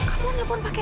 kau nelfon pakai